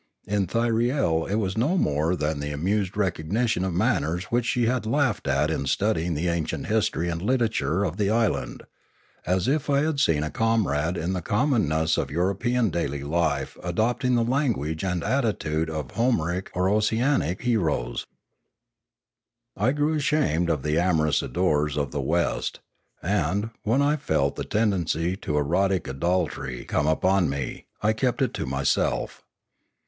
In Thyriel it was no more than the amused recognition of manners which she had laughed at in studying the ancient history and literature of the island, as if I had seen a comrade in the commonness of European daily life adopting the language and atti tude of Homeric or Ossianic heroes. I grew ashamed of the amorous ardours of the West, and, when I felt the tendency to erotic idolatry come upon me, I kept it to myself.